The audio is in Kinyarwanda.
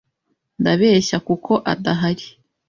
Ndabeshya kuko adahari